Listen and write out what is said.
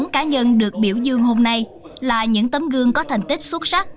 hai trăm ba mươi bốn cá nhân được biểu dương hôm nay là những tấm gương có thành tích xuất sắc